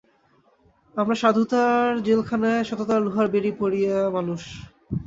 আমরা সাধুতার জেলখানায় সততার লোহার বেড়ি পরিয়া মানুষ।